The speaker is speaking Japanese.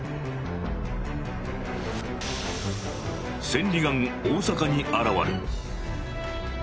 「千里眼大阪に現る」。